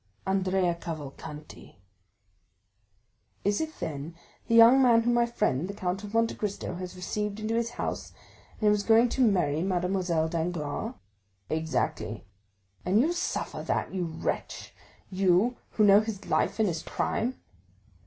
"Andrea Cavalcanti." "Is it, then, that young man whom my friend the Count of Monte Cristo has received into his house, and who is going to marry Mademoiselle Danglars?" "Exactly." "And you suffer that, you wretch!—you, who know his life and his crime?"